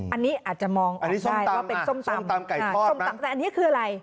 อันนี้อาจจะมองออกได้เราเป็นส้มตำส้มตำไก่ทอดนะแต่อันนี้คืออะไร